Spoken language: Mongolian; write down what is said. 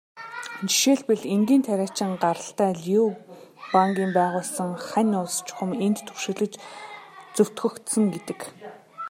Жишээлбэл, энгийн тариачин гаралтай Лю Бангийн байгуулсан Хань улс чухам энд түшиглэж зөвтгөгдсөн гэдэг.